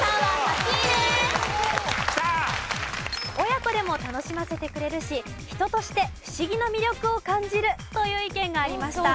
親子でも楽しませてくれるし人として不思議な魅力を感じるという意見がありました。